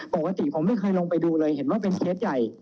ปกติผมไม่เคยลงไปดูเลยเห็นว่าเป็นเคสใหญ่